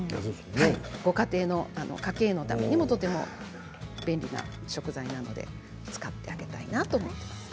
ご家庭の家計のためにもとても便利な食材なので使ってあげたいなと思っています。